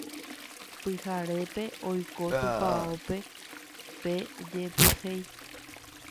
Pyharépe oiko tupãópe pe jepyhéi